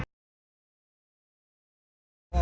ว่าผมเป็นธรรมงา